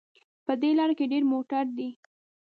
په دې لاره کې ډېر موټر دي